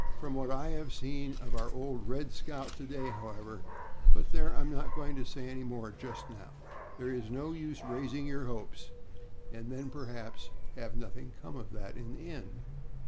From what I have seen of our old 'Red Scout' to day, however, but there, I'm not going to say any more just now. There is no use raising your hopes, and then perhaps have nothing come of that in the end."